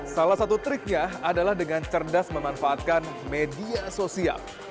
salah satu triknya adalah dengan cerdas memanfaatkan media sosial